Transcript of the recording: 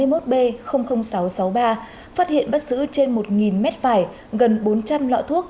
phát hiện bắt giữ trên một m phải gần bốn trăm linh lọ thuốc